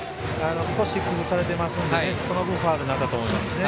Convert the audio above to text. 少し崩されていましたのでその分、ファウルになったと思いますね。